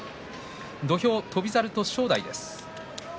土俵は翔猿と正代です。